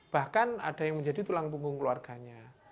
bahkan ada yang menjadi tulang punggung keluarganya